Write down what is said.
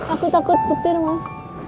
aku takut petir mas